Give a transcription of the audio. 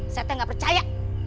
saya tidak percaya